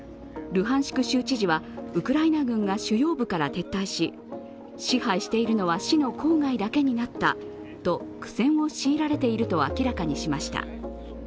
ルハンシク州知事はウクライナ軍が主要部から撤退し支配しているのは市の郊外だけになったと苦戦を強いられていると明らかにしました。